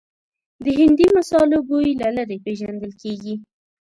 د هندي مسالو بوی له لرې پېژندل کېږي.